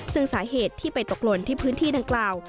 ซึ่งสาเหตุที่ไปตกหล่นที่พื้นที่ดังกล่าว